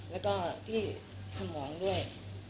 และที่สมองด้วย